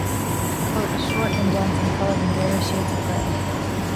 The coat is short and dense and coloured in various shades of grey.